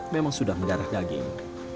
memang sudah menjarah daging